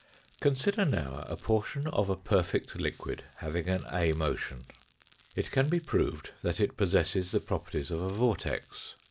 Consider now a portion of a perfect liquid having an A motion. It can be proved that it possesses the properties of a vortex.